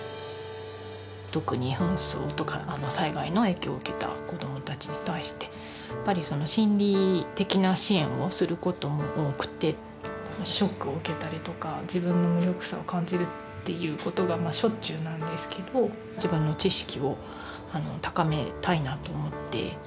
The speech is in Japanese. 特に紛争とか災害の影響を受けた子どもたちに対してやっぱりその心理的な支援をする事も多くてショックを受けたりとか自分の無力さを感じるっていう事がしょっちゅうなんですけど自分の知識を高めたいなと思って。